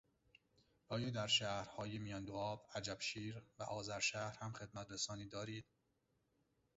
آیا در شهرهای میاندوآب، عجبشیر و آذرشهر هم خدمترسانی دارید؟